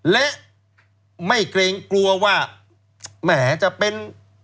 และไม่เกรงกลัวว่าแหมจะเป็น